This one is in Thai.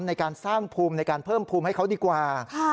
ในการสร้างภูมิในการเพิ่มภูมิให้เขาดีกว่า